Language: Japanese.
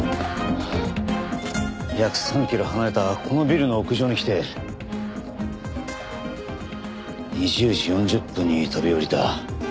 約３キロ離れたこのビルの屋上に来て２０時４０分に飛び降りた。